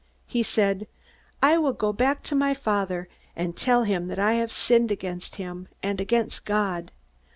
He said: 'I will go back to my father, and tell him that I have sinned against him and against God.